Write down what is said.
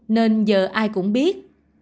nên giờ ai cũng biết